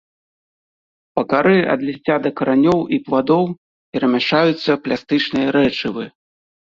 Па кары ад лісця да каранёў і пладоў перамяшчаюцца пластычныя рэчывы.